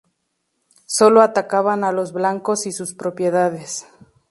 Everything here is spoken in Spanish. Sólo atacaban a los blancos y sus propiedades.